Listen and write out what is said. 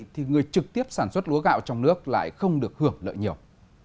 thì người trực tiếp sản xuất lúa gạo trong nước lại không được hưởng lợi nhiều